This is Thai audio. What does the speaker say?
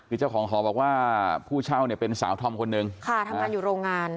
คือเจ้าของหอบอกว่าผู้เช่าเนี่ยเป็นสาวธอมคนนึงค่ะทำงานอยู่โรงงาน